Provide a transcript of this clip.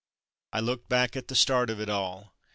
I looked back at the start of it all.